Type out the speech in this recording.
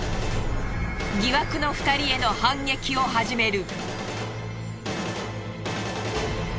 疑惑の２人への反撃を始める。